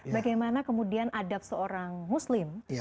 bagaimana kemudian adab seorang muslim